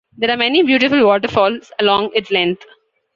There are many beautiful waterfalls along its length.